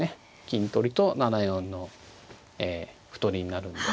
金取りと７四の歩取りになるんで。